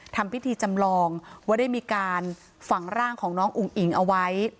ทำพิธีจำลองว่าได้มีการฝังร่างของน้องอุ๋งอิ๋งเอาไว้